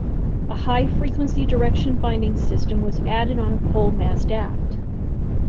A High frequency direction finding system was added on a pole mast aft.